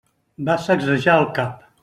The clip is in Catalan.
Va sacsejar el cap.